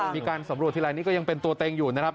มีการสำรวจที่ลัยนี้ก็ตัวเต็งอยู่นะครับ